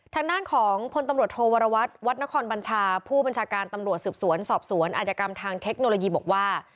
ทางด้านของพลตำรวจโทวรวัตรวัดนครบัญชาผู้บัญชาการตำรวจสืบสวนสอบสวนอาจกรรมทางเทคโนโลยีบอกว่า